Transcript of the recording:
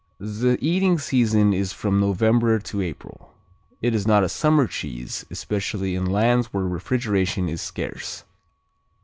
The eating season is from November to April. It is not a summer cheese, especially in lands where refrigeration is scarce.